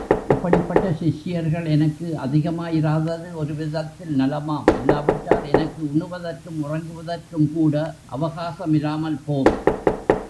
இப்படிப்பட்ட சிஷ்யர்கள் எனக்கு அதிகமாயிராதது ஒரு விதத்தில் நலமாம் இல்லாவிட்டால், எனக்கு உண்ணுவதற்கும் உறங்குவதற்கும்கூட அவகாசமிராமல் போம்!